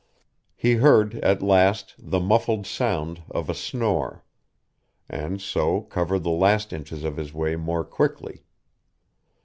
He heard, at last, the muffled sound of a snore; and so covered the last inches of his way more quickly.